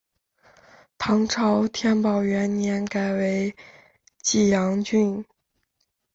唐朝天宝元年改为济阳郡。